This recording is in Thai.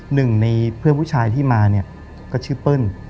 หนึ่งในเพื่อนผู้ชายที่มาเนี่ยก็ชื่อเปิ้ล